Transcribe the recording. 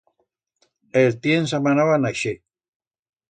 El tiens amanau a naixer.